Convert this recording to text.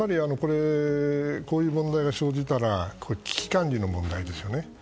こういう問題が生じたら危機管理の問題ですよね。